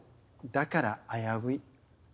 だから危うい